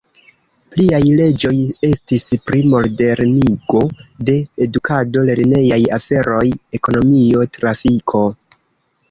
Pliaj leĝoj estis pri modernigo de edukado, lernejaj aferoj, ekonomio, trafiko.